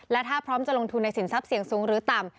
และถ้าพร้อมจะลงทุนในสินทรัพย์เสี่ยงสูงหรือต่ำ